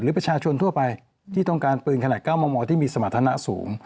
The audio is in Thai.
ประชาชนทั่วไปที่ต้องการปืนขนาด๙มมที่มีสมรรถนะสูง